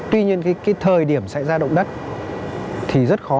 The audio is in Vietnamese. tuy nhiên cái thời điểm xảy ra động đất thì rất khó